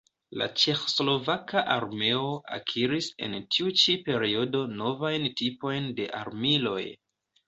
La ĉeĥoslovaka armeo akiris en tiu ĉi periodo novajn tipojn de armiloj.